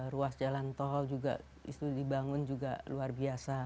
ruas jalan tol juga itu dibangun juga luar biasa